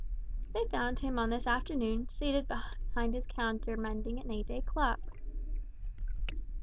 They found him on this afternoon seated behind his counter mending an eight day clock.